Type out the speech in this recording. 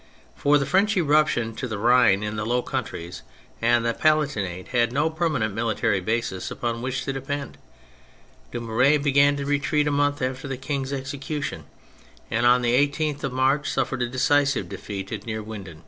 For the French eruption up to the Rhine in the Low Countries and the Palatinate, had no permanent military basis upon wh^'ch to depend. Dumouriez began to retreat a month after the King's execution, and on the 18th of March suffered a decisive defeat at Neerwinden.